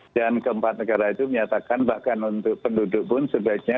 dan keempat negara itu menyatakan bahkan untuk penduduk pun sebaiknya